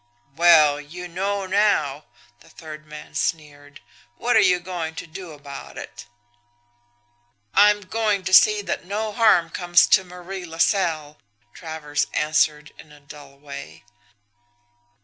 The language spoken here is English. "'Well, you know now!' the third man sneered. 'What are you going to do about it?' "'I'm going to see that no harm comes to Marie LaSalle,' Travers answered in a dull way.